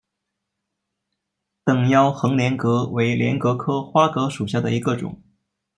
等腰横帘蛤为帘蛤科花蛤属下的一个种。